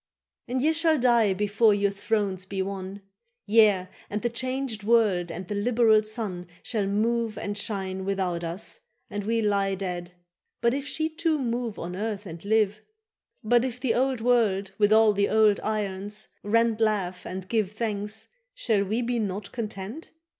—And ye shall die before your thrones be won. —Yea, and the changed world and the liberal sun Shall move and shine without us, and we lie Dead; but if she too move on earth and live, But if the old world with all the old irons rent Laugh and give thanks, shall we be not content?